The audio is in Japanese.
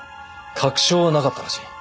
確証はなかったらしい。